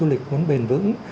nếu du lịch muốn bền vững